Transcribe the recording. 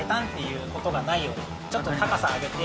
ちょっと高さ上げて。